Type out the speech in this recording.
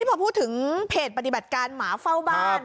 พอพูดถึงเพจปฏิบัติการหมาเฝ้าบ้าน